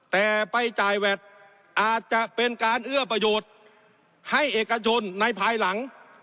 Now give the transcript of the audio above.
แต่ไปจ่ายแวดอาจจะเป็นการเอื้อประโยชน์ให้เอกชนในภายหลัง